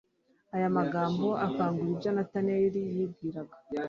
Aya magambo akangura ibyo Natanaeli yibwiraga.